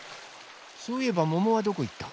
そういえばももはどこいった？